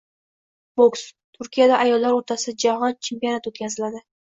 Boks: Turkiyada ayollar o‘rtasida jahon chempionati o‘tkaziladi